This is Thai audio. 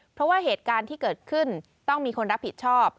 เพราะว่าเหตุการณ์ที่เกิดขึ้นต้องมีคนรับผิดชอบ